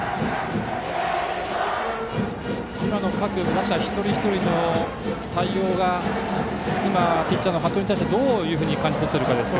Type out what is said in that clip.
今の各打者一人一人の対応をピッチャーの服部がどういうふうに感じ取っているかですが。